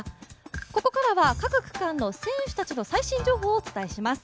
ここからは各区間の選手たちの最新情報をお伝えします。